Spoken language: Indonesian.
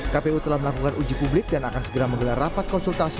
kpu telah melakukan uji publik dan akan segera menggelar rapat konsultasi